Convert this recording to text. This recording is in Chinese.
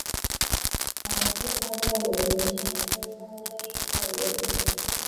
毛刺花椒为芸香科花椒属下的一个变种。